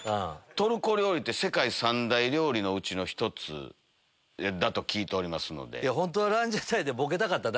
世界三大料理のうちの１つだと聞いておりますので。